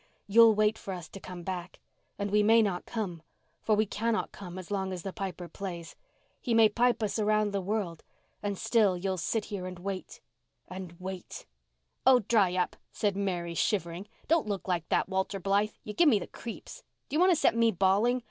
"You'll wait for us to come back. And we may not come—for we cannot come as long as the Piper plays. He may pipe us round the world. And still you'll sit here and wait—and wait." "Oh, dry up," said Mary, shivering. "Don't look like that, Walter Blythe. You give me the creeps. Do you want to set me bawling?